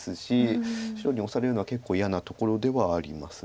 白にオサれるのは結構嫌なところではあります。